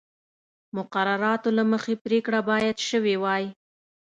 مقرراتو له مخې پرېکړه باید شوې وای.